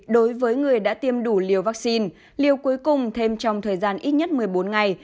đối với người đã tiêm đủ liều vaccine liều cuối cùng thêm trong thời gian ít nhất một mươi bốn ngày